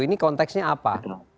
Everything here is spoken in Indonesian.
ini konteksnya apa